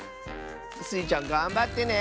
スイちゃんがんばってね！